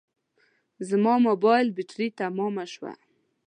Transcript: زما موبایل بټري تمامه شوه